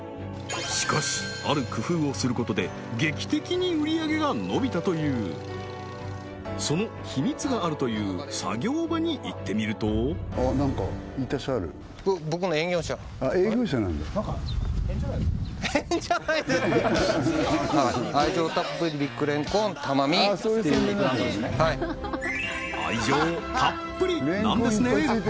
しかしある工夫をすることで劇的に売り上げが伸びたというその秘密があるという作業場に行ってみると愛情たっぷりＢｉｇれんこん珠美なんですね！